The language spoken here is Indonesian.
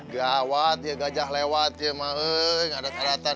gawat ya gajah lewat ya